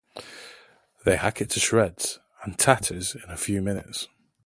They hack it to shreds and tatters in a few minutes.